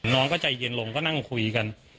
น้องก็ใจเย็นลงก็นั่งคุยกัน